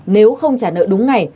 nếu không trả nợ đúng ngày